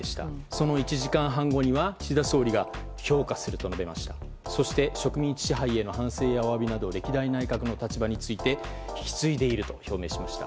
その１時間半後には岸田総理が評価すると述べましてそして、植民地支配への反省やお詫びなど歴代内閣の立場について引き継いでいると表明しました。